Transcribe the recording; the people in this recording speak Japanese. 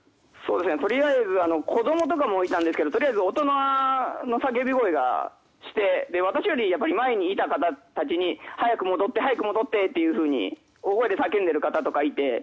とりあえず子供とかもいたんですが大人の叫び声がして私より前にいた方たちに早く戻って早く戻ってと大声で叫んでいる方とかいて。